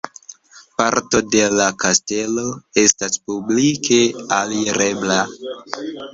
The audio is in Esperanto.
Parto de la kastelo estas publike alirebla.